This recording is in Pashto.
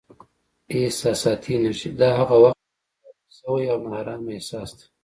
احساساتي انرژي: دا هغه وخت دی چې تحریک شوی او نا ارامه احساس دی.